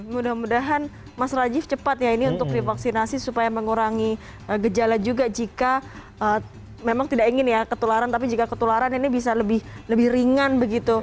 mudah mudahan mas rajif cepat ya ini untuk divaksinasi supaya mengurangi gejala juga jika memang tidak ingin ya ketularan tapi jika ketularan ini bisa lebih ringan begitu